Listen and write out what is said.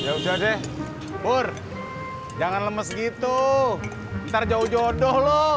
yaudah deh pur jangan lemes gitu ntar jauh jodoh loh